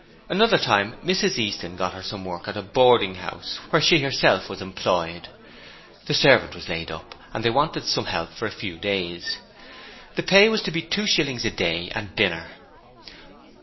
Another time Mrs Easton got her some work at a boarding house where she herself was employed. The servant was laid up, and they wanted some help for a few days. The pay was to be two shillings a day, and dinner.